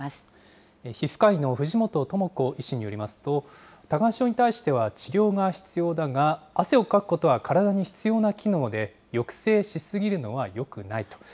皮膚科医の藤本智子医師によりますと、多汗症に対しては治療が必要だが、汗をかくことは体に必要な機能で、抑制し過ぎるのはよくないと。